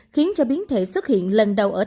khiến cho biến thể xuất hiện lần đầu ở